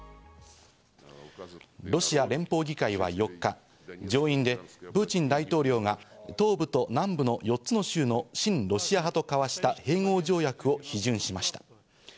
ロシア連邦議会は４日、上院でプーチン大統領が東部と南部の４つの州の親ロシア派と交わした併合条約を批准しました。